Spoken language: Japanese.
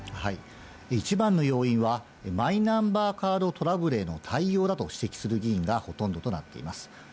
一番の要因は、マイナンバーカードのトラブルへの対応だと指摘する議員がほとんどとなっています。